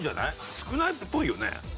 少ないっぽいよね。